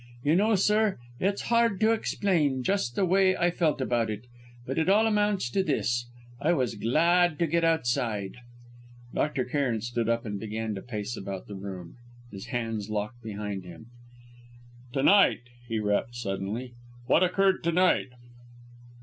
You know, sir, it's hard to explain just the way I felt about it but it all amounts to this: I was glad to get outside!" Dr. Cairn stood up and began to pace about the room, his hands locked behind him. "To night," he rapped suddenly, "what occurred to night?"